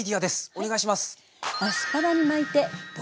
お願いします！